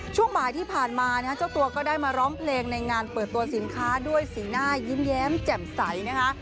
ช่วงบ่ายที่ผ่านมานะฮะเจ้าตัวก็ได้มาร้องเพลงในงานเปิดตัวสินค้าด้วยสีหน้ายิ้มแย้มแจ่มใสนะคะ